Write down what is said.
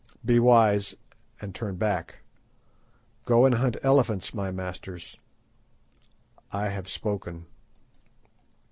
Be wise and turn back. Go and hunt elephants, my masters. I have spoken."